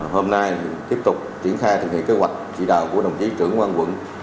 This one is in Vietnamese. hôm nay tiếp tục triển khai thực hiện kế hoạch chỉ đạo của đồng chí trưởng quan quận